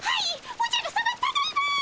おじゃるさまただいま！